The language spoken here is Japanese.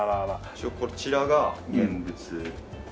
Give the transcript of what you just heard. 一応こちらが現物。